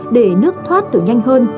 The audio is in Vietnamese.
để nước thoát được nhanh hơn